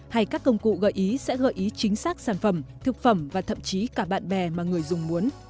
hay các công cụ gợi ý sẽ gợi ý chính xác sản phẩm thực phẩm và thậm chí cả bạn bè mà người dùng muốn